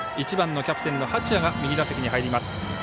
１番キャプテン、八谷が右打席に入ります。